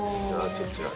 ちょっと違う？